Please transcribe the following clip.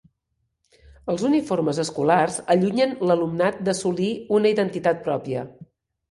Els uniformes escolars allunyen l'alumnat d'assolir una identitat pròpia.